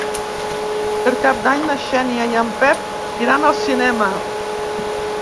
Per Cap d'Any na Xènia i en Pep iran al cinema.